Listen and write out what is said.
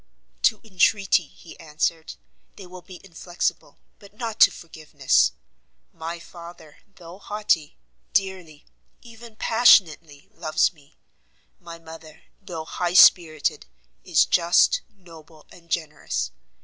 "To entreaty," he answered, "they will be inflexible, but not to forgiveness. My father, though haughty, dearly, even passionately loves me; my mother, though high spirited, is just, noble, and generous.